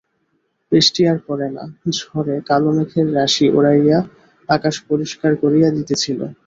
বৃষ্টি আর পড়ে না, ঝড়ে কালো মেঘের রাশি উড়াইয়া আকাশ পরিষ্কার করিয়া দিতেছিল।